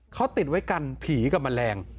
เขาติดไว้กันผีกับมันแรง